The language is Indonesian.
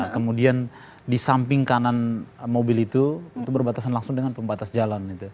kemudian di samping kanan mobil itu itu berbatasan langsung dengan pembatas jalan